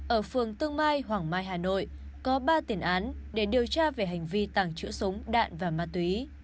ở phường tương mai hoàng mai hà nội có ba tiền án để điều tra về hành vi tàng trữ súng đạn và ma túy